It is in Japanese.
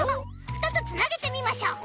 ２つつなげてみましょう！